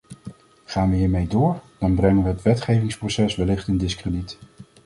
Gaan we hiermee door, dan brengen we het wetgevingsproces wellicht in diskrediet.